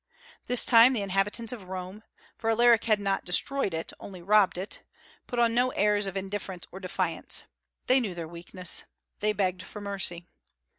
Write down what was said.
This time, the inhabitants of Rome (for Alaric had not destroyed it, only robbed it) put on no airs of indifference or defiance. They knew their weakness. They begged for mercy.